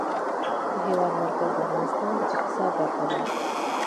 د هېواد مرکز د افغانستان د اقتصاد برخه ده.